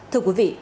thưa quý vị